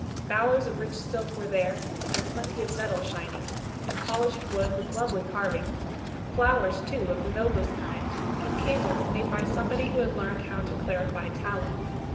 Bowers of rich silk were there, and plenty of metal shining, and polished wood with lovely carving; flowers too of the noblest kind, and candles made by somebody who had learned how to clarify tallow.